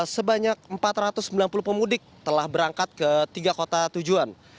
sebanyak empat ratus sembilan puluh pemudik telah berangkat ke tiga kota tujuan